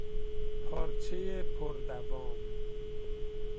پارچهی پردوام